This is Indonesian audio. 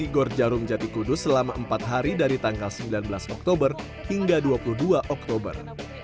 di gor jarum jati kudus selama empat hari dari tanggal sembilan belas oktober hingga dua puluh dua oktober